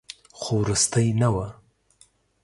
خو وروستۍ نه وه.